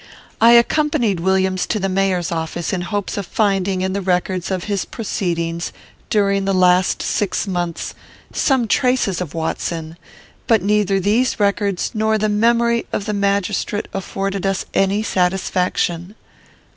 "I accompanied Williams to the mayor's office, in hopes of finding in the records of his proceedings, during the last six months, some traces of Watson; but neither these records nor the memory of the magistrate afforded us any satisfaction.